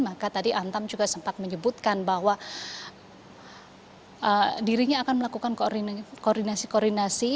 maka tadi antam juga sempat menyebutkan bahwa dirinya akan melakukan koordinasi koordinasi